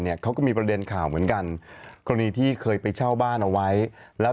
เขาก็มีประเด็นข่าวเหมือนกันกรณีที่เคยไปเช่าบ้านเอาไว้แล้ว